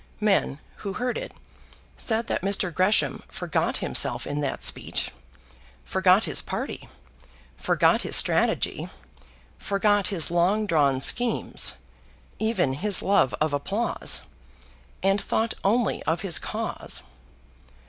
Men, who heard it, said that Mr. Gresham forgot himself in that speech, forgot his party, forgot his strategy, forgot his long drawn schemes, even his love of applause, and thought only of his cause.